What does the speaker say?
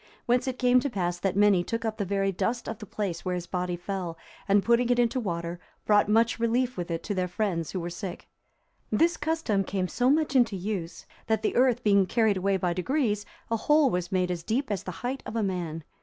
Whence it came to pass that many took up the very dust of the place where his body fell, and putting it into water, brought much relief with it to their friends who were sick. This custom came so much into use, that the earth being carried away by degrees, a hole was made as deep as the height of a man.